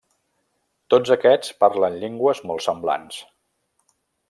Tots aquests parlen llengües molt semblants.